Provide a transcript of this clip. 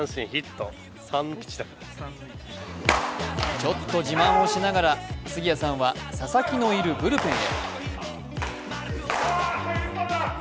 ちょっと自慢をしながら杉谷さんは佐々木のいるブルペンへ。